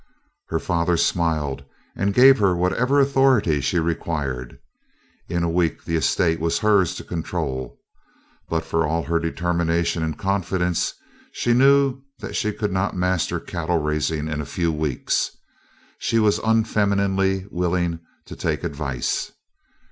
Her father smiled and gave her whatever authority she required; in a week the estate was hers to control. But for all her determination and confidence, she knew that she could not master cattle raising in a few weeks. She was unfemininely willing to take advice.